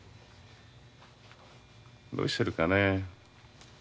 どうしてるかね。